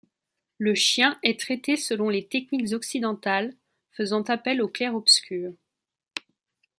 Le chien est traité selon les techniques occidentales, faisant appel au clair-obscur.